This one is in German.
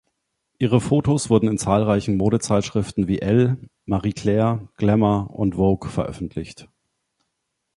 Ihre Fotos wurden in zahlreichen Modezeitschriften wie "Elle", "Marie Claire", "Glamour" und "Vogue" veröffentlicht.